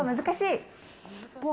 難しい。